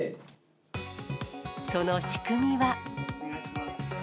その仕組みは。